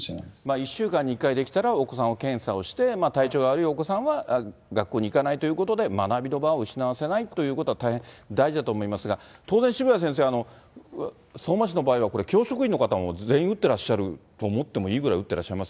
１週間に１回、できたらお子さんは検査をして、体調が悪いお子さんは学校に行かないということで、学びの場を失わせないということは大変大事だと思いますが、当然、渋谷先生、相馬市の場合は、教職員の方も全員打ってらっしゃると思ってもいいぐらい打ってら